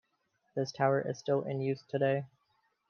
This tower is still in use today.